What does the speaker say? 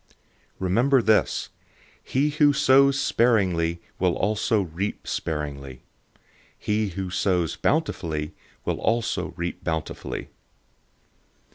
009:006 Remember this: he who sows sparingly will also reap sparingly. He who sows bountifully will also reap bountifully.